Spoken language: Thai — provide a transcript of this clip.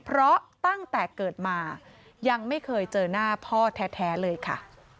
เพราะตั้งแต่เกิดมายังไม่เคยเจอหน้าพ่อแท้เลยค่ะ